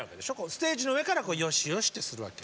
ステージの上からよしよしってするわけ？